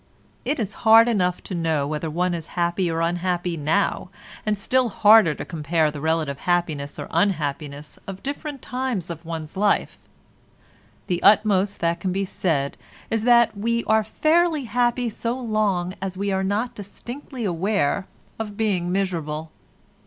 It is hard enough to know whether one is happy or unhappy now, and still harder to compare the relative happiness or unhappiness of different times of one's life; the utmost that can be said is that we are fairly happy so long as we are not distinctly aware of being miserable.